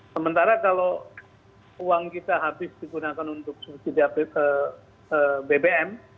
sementara kalau uang kita habis digunakan untuk subsidi bbm